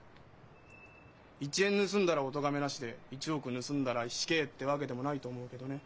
１円盗んだらお咎めなしで１億盗んだら死刑ってわけでもないと思うけどね。